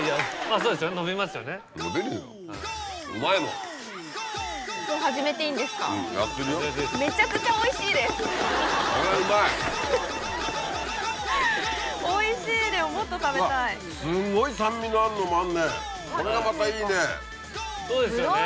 そうですよね。